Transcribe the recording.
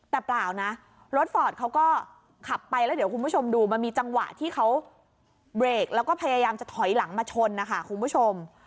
แต่เปล่านะรถฟอร์ดเขาก็ขับไปแล้วเดี๋ยวคุณผู้ชมดูมันมีจังหวะที่เขาเบรกแล้วก็พยายามจะถอยหลังมาชนนะคะคุณผู้ชม